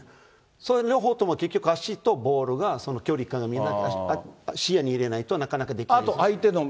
そういう両方とも、結局、足とボールが、視野に入れないとなかなかできない。